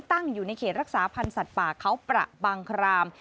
ตั้งอยู่ในเขตรักษาพันธ์สัตว์ป่าเขาประบางคราม